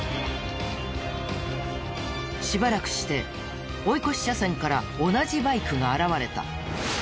しばらくして追い越し車線から同じバイクが現れた。